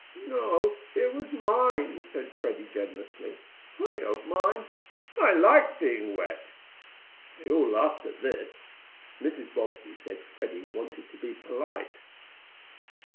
"No, it was mine," said Freddie, generously. "I don't mind. I like being wet!" They all laughed at this. Mrs. Bobbsey said Freddie wanted to be polite.